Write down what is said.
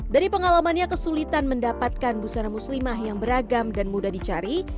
dari pengalamannya kesulitan mendapatkan busana muslimah yang beragam dan mudah dicari